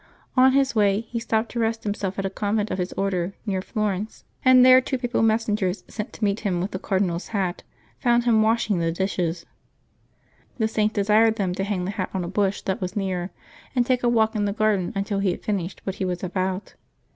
On his way, he stopped to rest himself at a con vent of his Order near Florence; and there two Papal 250 LIVES OF THE SAINTS [JmY 15 messengers, sent to meet him with the Cardinal's hat, found him washing the dishes. The Saint desired them to hang the hat on a bush that was near, and take a walk in the garden until he had finished what he was about.